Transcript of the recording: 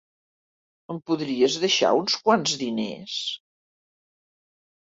Em podries deixar uns quants diners?